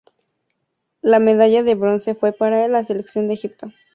La medalla de bronce fue para la selección de Egipto.